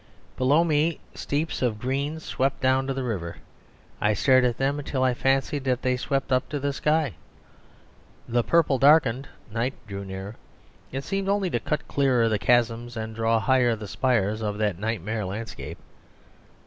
Below me steeps of green swept down to the river. I stared at them until I fancied that they swept up to the sky. The purple darkened, night drew nearer; it seemed only to cut clearer the chasms and draw higher the spires of that nightmare landscape.